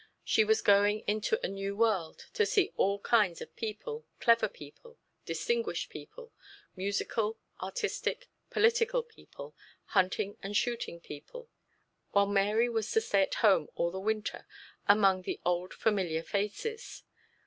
She was going into a new world, to see all kinds of people clever people distinguished people musical, artistic, political people hunting and shooting people while Mary was to stay at home all the winter among the old familiar faces.